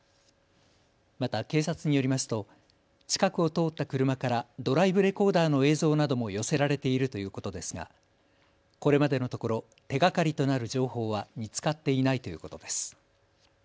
また警察によりますと近くを通った車からドライブレコーダーの映像なども寄せられているということですがこれまでのところ手がかりとなる情報は見つかっていないということです。